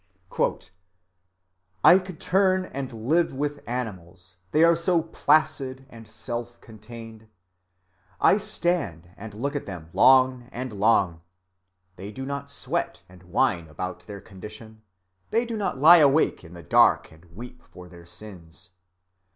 "I could turn and live with animals, they are so placid and self‐ contained, I stand and look at them long and long; They do not sweat and whine about their condition. They do not lie awake in the dark and weep for their sins.